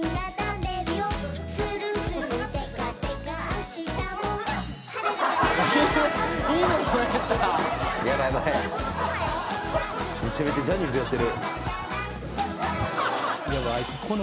めちゃめちゃジャニーズやってる。